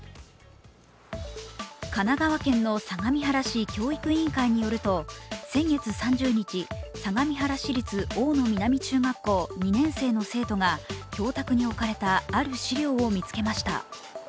神奈川県の相模原市教育委員会によると先月３０日、相模原市立大野南中学校２年生の生徒が教卓に置かれたある資料を見つけました。